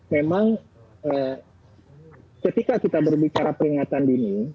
memang ketika kita berbicara peringatan dini